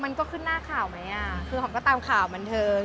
มันก็ขึ้นหน้าข่าวไหมอ่ะคือหอมก็ตามข่าวบันเทิง